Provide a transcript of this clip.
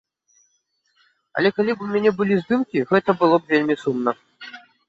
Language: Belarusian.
Але калі б у мяне былі здымкі, гэта было б вельмі сумна.